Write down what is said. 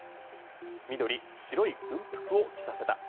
緑、白い軍服を着させた。